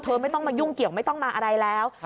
ไม่ต้องมายุ่งเกี่ยวไม่ต้องมาอะไรแล้ว